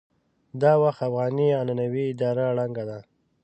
دا وخت افغاني عنعنوي اداره ړنګه ده.